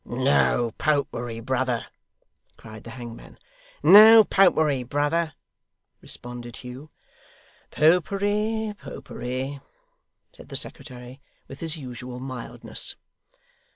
'No Popery, brother!' cried the hangman. 'No Property, brother!' responded Hugh. 'Popery, Popery,' said the secretary with his usual mildness.